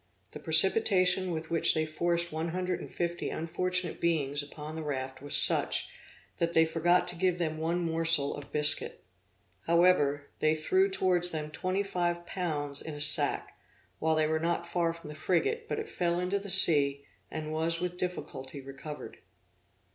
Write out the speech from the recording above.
The precipitation with which they forced one hundred and fifty unfortunate beings upon the raft was such, that they forgot to give them one morsel of biscuit. However, they threw towards them twenty five pounds in a sack, while they were not far from the frigate; but it fell into the sea, and was with difficulty recovered.